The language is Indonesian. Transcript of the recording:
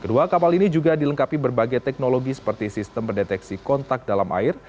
kedua kapal ini juga dilengkapi berbagai teknologi seperti sistem pendeteksi kontak dalam air